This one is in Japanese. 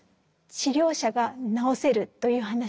治療者が治せるという話ではない。